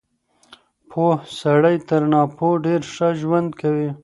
پوه سړی تر ناپوهه ډېر ښه ژوند کوي.